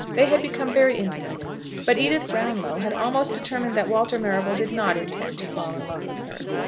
They had become very intimate, but Edith Brownlow had almost determined that Walter Marrable did not intend to fall in love with her.